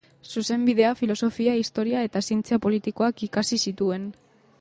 Zuzenbidea, filosofia, historia eta zientzia politikoak ikasi zituen.